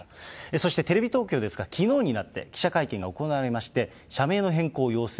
そしてテレビ東京ですが、きのうになって記者会見が行われまして、社名の変更を要請。